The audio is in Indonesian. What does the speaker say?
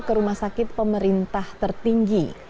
ke rumah sakit pemerintah tertinggi